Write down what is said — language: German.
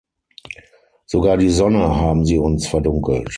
Sogar die Sonne haben Sie uns verdunkelt.